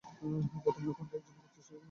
বর্তমানে, পান্ডে একজন প্রতিষ্ঠিত কমেডি অভিনেতা।